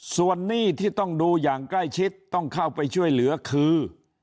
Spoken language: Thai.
ส่วนหนี้ที่ต้องดูอย่างใกล้ชิดต้องเข้าไปช่วยเหลือคือ